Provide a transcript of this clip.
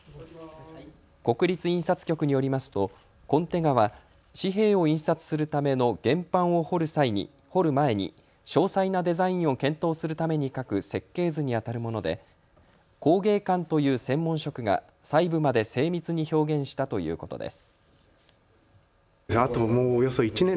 国立印刷局によりますとコンテ画は紙幣を印刷するための原版を彫る前に詳細なデザインを検討するために描く設計図にあたるもので工芸官という専門職が細部まで精密に表現したということです。